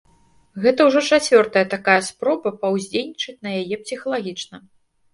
Гэта ўжо чацвёртая такая спроба паўздзейнічаць на яе псіхалагічна.